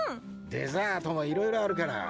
デザートもいろいろあるから。